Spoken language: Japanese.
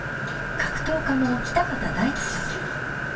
格闘家の北方大地さん。